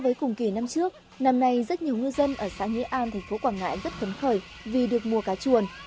so với cùng kỷ năm trước năm nay rất nhiều ngư dân ở xã nghĩa an tp quảng ngãi rất phấn khởi vì được mua cá chuồn